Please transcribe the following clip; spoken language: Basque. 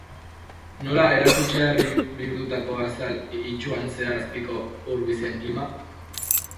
Nola erakutsi harri bihurtutako azal itsuan zehar azpiko ur-bizien kilima?